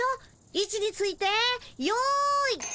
いちについてよい。